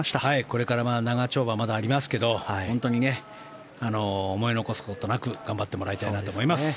これから長丁場、まだありますが本当に思い残すことなく頑張ってもらいたいなと思います。